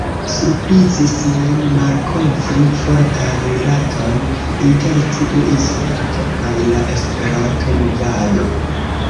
Surprizis min malkovri fortan rilaton inter tiu insuleto kaj la Esperanto-movado.